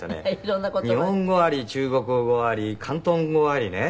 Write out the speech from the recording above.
日本語あり中国語あり広東語ありね。